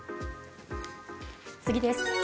次です。